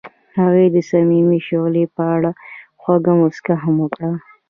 هغې د صمیمي شعله په اړه خوږه موسکا هم وکړه.